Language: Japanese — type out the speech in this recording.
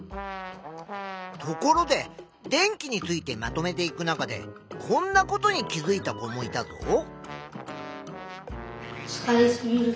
ところで電気についてまとめていく中でこんなことに気づいた子もいたぞ。